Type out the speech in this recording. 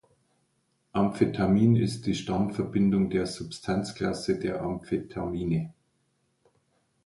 Amphetamin ist die Stammverbindung der Substanzklasse der Amphetamine.